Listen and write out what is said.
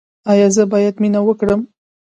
ایا زه باید مینه وکړم؟